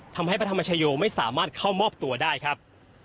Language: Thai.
พระธรรมชโยไม่สามารถเข้ามอบตัวได้ครับ